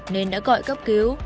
nên đã gọi cấp cứu